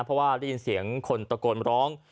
เพราะว่าได้ยินเสียงคนตะโกนร้อง